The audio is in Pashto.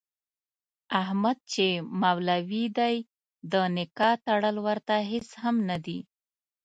احمد چې مولوي دی د نکاح تړل ورته هېڅ هم نه دي.